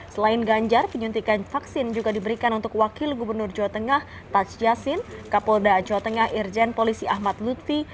selain ganjar penyuntikan vaksin juga diberikan untuk wakil gubernur jawa tengah taj yassin kapolda jawa tengah irjen polisi ahmad lutfi